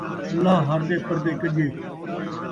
اللہ ہر دے پردے کڄّے